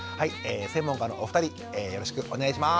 専門家のお二人よろしくお願いします。